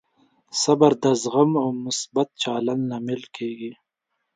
صبر د زغم او مثبت چلند لامل کېږي.